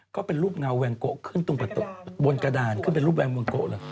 ก็เป็นรูปเงาแวงโกะขึ้นตรงบนกระดานขึ้นเป็นรูปแวร์วงโกะเหรอ